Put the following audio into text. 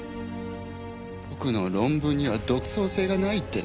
僕の論文には独創性がないってね。